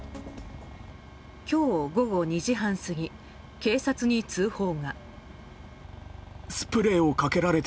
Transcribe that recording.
今日午後２時半過ぎ警察に通報が。